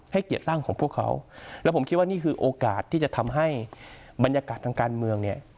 เกลียดร่างของพวกเขาแล้วผมคิดว่านี่คือโอกาสที่จะทำให้บรรยากาศทางการเมืองเนี่ย